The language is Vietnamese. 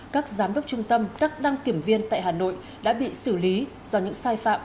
các giám đốc trung tâm các đăng kiểm viên tại hà nội đã bị xử lý do những sai phạm